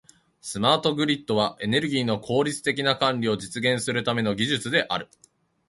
スマートグリッドは、エネルギーの効率的な管理を実現するための技術である。